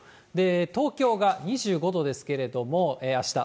東京が２５度ですけれども、あした。